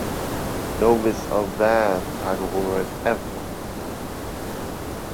No Miss Auvergne titleholder has ever won Miss France.